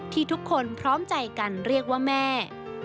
ทุกคนพร้อมใจกันเรียกว่าแม่